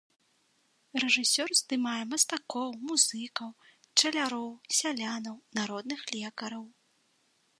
Рэжысёр здымае мастакоў, музыкаў, пчаляроў, сялянаў, народных лекараў.